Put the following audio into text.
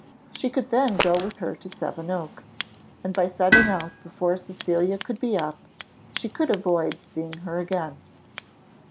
She could then go with her to Seven Oaks; and, by setting out before Cecilia could be up, she should avoid seeing her again.